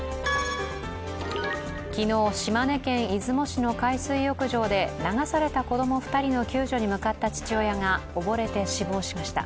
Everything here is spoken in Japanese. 昨日、島根県出雲市の海水浴場で流された子供２人の救助に向かった父親が溺れて死亡しました。